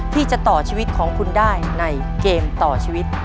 ที่จะต่อชีวิตของคุณได้ในเกมต่อชีวิต